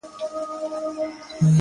اوس ولي نه وايي چي ښار نه پرېږدو،